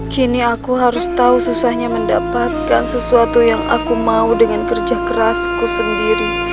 kini aku harus tahu susahnya mendapatkan sesuatu yang aku mau dengan kerja kerasku sendiri